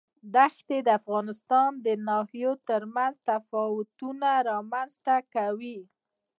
دښتې د افغانستان د ناحیو ترمنځ تفاوتونه رامنځ ته کوي.